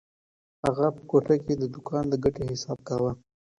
اغا په کوټه کې د دوکان د ګټې حساب کاوه.